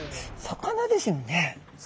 魚ですね。